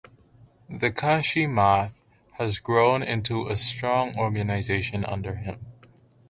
The Kanchi Math has grown into a strong organization under him.